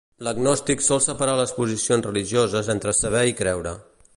L'agnòstic sol separar les posicions religioses entre saber i creure.